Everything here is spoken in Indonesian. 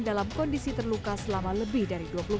dalam kondisi terluka selama lebih dari dua bulan